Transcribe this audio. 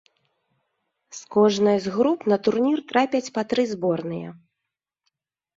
З кожнай з груп на турнір трапяць па тры зборныя.